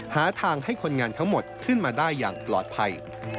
หาทางให้คนงานทั้งหมดขึ้นมาได้อย่างปลอดภัย